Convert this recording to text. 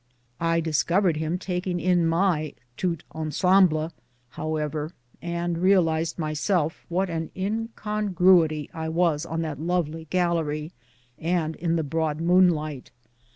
I discovered him taking in my tout ensenible^ however, and realized myself what an incongru ity I was on that lovely gallery and in the broad moon light.